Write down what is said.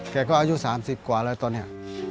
แกก็อายุ๓๐กว่าแล้วตอนนี้